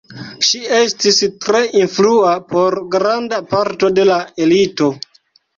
Ŝi estis tre influa por granda parto de la elito.